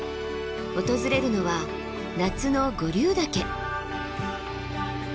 訪れるのは夏の五竜岳。